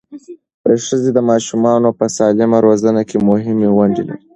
ښځې د ماشومانو په سالمه روزنه کې مهمه ونډه لري.